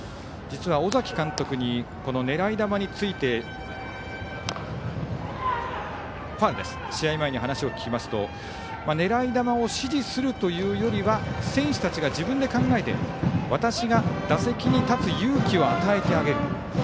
実は尾崎監督に狙い球について試合前に話を聞きますと狙い球を指示するというよりは選手たちが自分で考えて私が打席に立つ勇気を与えてあげる。